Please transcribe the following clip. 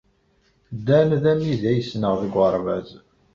Dan d amidi ay ssneɣ deg uɣerbaz.